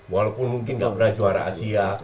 walaupun mungkin gak pernah juara asia